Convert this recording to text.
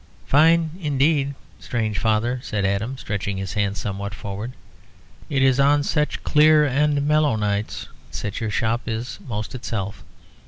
"Fine indeed, strange Father," said Adam, stretching his hands somewhat forward. "It is on such clear and mellow nights that your shop is most itself.